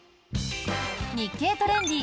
「日経トレンディ」